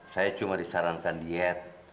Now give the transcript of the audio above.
saya cuma disarankan diet